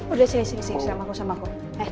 udah sini sini sama aku